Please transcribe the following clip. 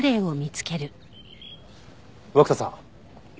涌田さん。